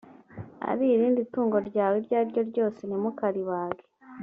ari irindi tungo ryawe iryo ari ryo ryose ntimukaribage